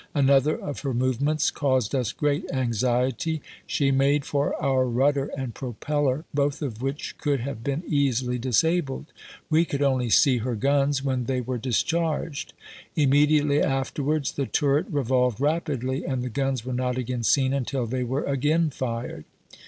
Another of her movements caused us great anxiety : she made for our rudder and propeller, both of which could have been easily disabled. We could only see her guns when they were discharged; immediately afterwards the turret revolved rapidly, and the guns were not again seen until they were again fired.